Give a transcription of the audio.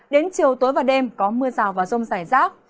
đến chiều tối và đêm có mưa rào và rông rải rác